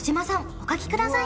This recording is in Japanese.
お書きください